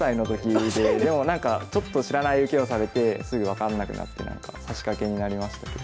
でもなんかちょっと知らない受けをされてすぐ分かんなくなって指し掛けになりましたけど。